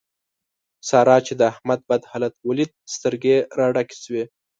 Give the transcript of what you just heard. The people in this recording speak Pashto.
سارا چې د احمد بد حالت وليد؛ سترګې يې را ډکې شوې.